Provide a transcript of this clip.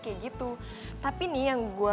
kayak gitu tapi nih yang gue